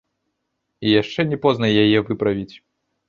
І яшчэ не позна яе выправіць.